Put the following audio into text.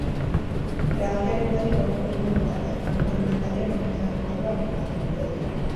Erabakiaren berri gaur eman du entitateak, bankuaren atarian argitaratutako agiri baten bidez.